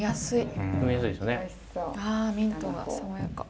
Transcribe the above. ああミントが爽やか。